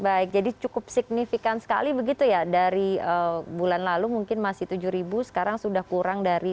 baik jadi cukup signifikan sekali begitu ya dari bulan lalu mungkin masih tujuh ribu sekarang sudah kurang dari